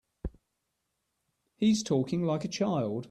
He's talking like a child.